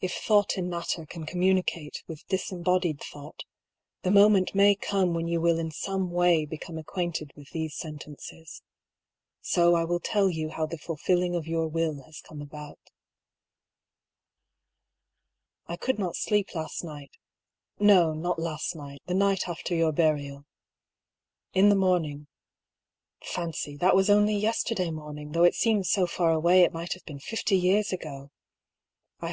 If Thought in Mat ter can communicate with disembodied Thought, the moment may come when you will in some way become acquainted with these sentences. So I will tell you how the fulfilling of your will has come about. I could not sleep last night — no, not last night, the night after your burial. In the morning — (fancy, that was only yesterday morning, though it seems so far away it might have been fifty years ago I) — I had no 130 I>R.